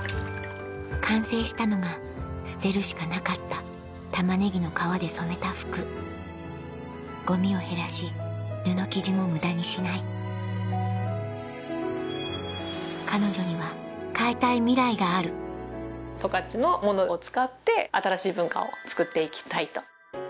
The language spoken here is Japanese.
完成したのが捨てるしかなかった玉ねぎの皮で染めた服ゴミを減らし布生地も無駄にしない彼女には変えたいミライがある十勝のものを使って新しい文化をつくっていきたいと。